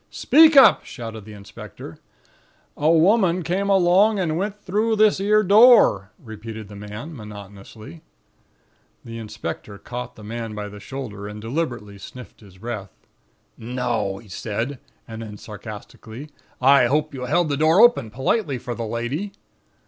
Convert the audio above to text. "'Speak up!' shouted the inspector. "'A woman come along and went through this 'ere door,' repeated the man, monotonously. "The inspector caught the man by the shoulder, and deliberately sniffed his breath. "'No!' he said. And then sarcastically: 'I hope you held the door open politely for the lady.'